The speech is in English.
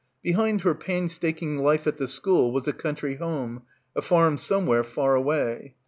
Behind her painstaking life at the school was a country home, a farm somewhere far away.